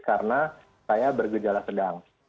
karena saya bergejala sedang